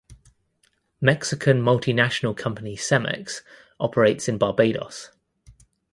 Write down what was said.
Mexican multinational company Cemex operates in Barbados.